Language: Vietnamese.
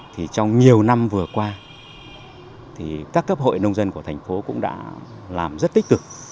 thì trong nhiều năm vừa qua thì các cấp hội nông dân của thành phố cũng đã làm rất tích cực